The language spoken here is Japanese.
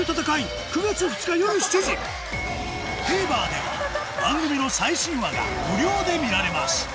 ＴＶｅｒでは番組の最新話が無料で見られます